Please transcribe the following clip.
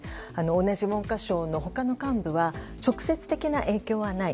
同じ文科省の他の幹部は直接的な影響はない。